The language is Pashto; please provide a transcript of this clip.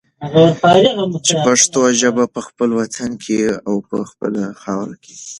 چې پښتو ژبه په خپل وطن کې او په خپله خاوره کې